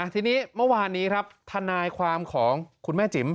ทีนี้เมื่อวานนี้ครับทนายความของคุณแม่จิ๋ม